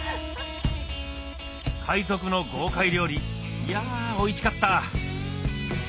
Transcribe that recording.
海賊の豪快料理いやぁおいしかった！